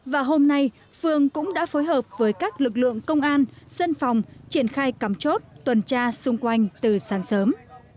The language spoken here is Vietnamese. và hôm nay phường cũng đã phối hợp với các lực lượng công an dân phòng triển khai cắm chốt tuần tra xung quanh từ sáng sớm